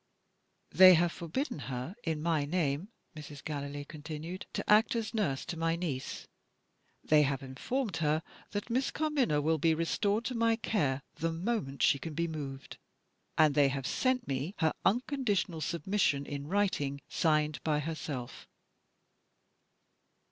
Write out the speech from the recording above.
"They have forbidden her, in my name," Mrs. Gallilee continued, "to act as nurse to my niece. They have informed her that Miss Carmina will be restored to my care, the moment she can be moved. And they have sent me her unconditional submission in writing, signed by herself."